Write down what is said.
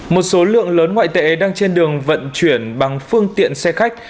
một số lượng lớn ngoại tệ đang trên đường vận chuyển bằng phương tiện xe khách